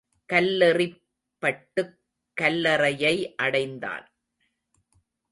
கல்லெறிப்பட்டுக் கல்லறையை அடைந்தான்.